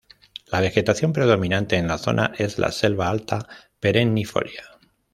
La vegetación predominante en la zona es la selva alta perennifolia.